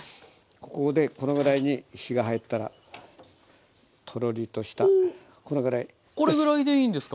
ここでこのぐらいに火が入ったらトロリとしたこのぐらいです。